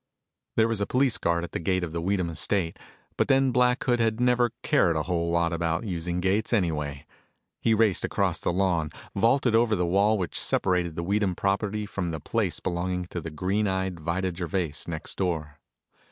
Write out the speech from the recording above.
There was a police guard at the gate of the Weedham estate, but then Black Hood had never cared a whole lot about using gates anyway. He raced across the lawn, vaulted over the wall which separated the Weedham property from the place belonging to the green eyed Vida Gervais next door.